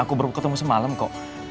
aku baru ketemu semalam kok